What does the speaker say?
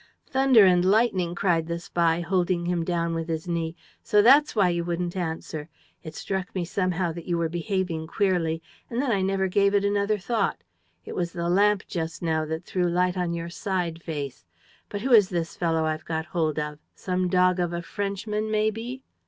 "Thunder and lightning!" cried the spy, holding him down with his knee. "So that's why you wouldn't answer? ... It struck me somehow that you were behaving queerly. ... And then I never gave it another thought. ... It was the lamp, just now, that threw a light on your side face. ... But who is the fellow I've got hold of? Some dog of a Frenchman, may be?"